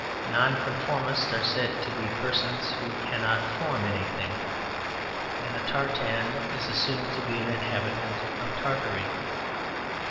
Nonconformists are said to be persons who cannot form anything, and a tartan is assumed to be an inhabitant of Tartary.